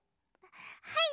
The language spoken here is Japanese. はい！